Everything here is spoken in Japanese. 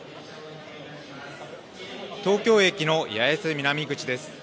東京駅の八重洲南口です。